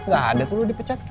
gak ada tuh lu dipecat